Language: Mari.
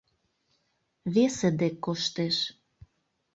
Весе дек коштеш...